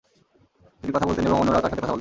তিনি কথা বলতেন এবং অন্যেরাও তার সাথে কথা বলতো।